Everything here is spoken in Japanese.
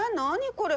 これ。